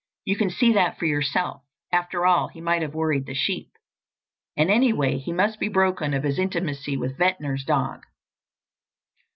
You can see that for yourself. After all, he might have worried the sheep. And, anyway, he must be broken of his intimacy with Ventnor's dog."